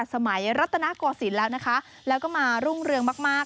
สมัยรัฐนากว่าศิลป์แล้วนะคะแล้วก็มารุ่งเรืองมาก